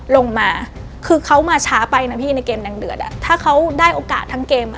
ลงมาคือเขามาช้าไปนะพี่ในเกมแดงเดือดอ่ะถ้าเขาได้โอกาสทั้งเกมอ่ะ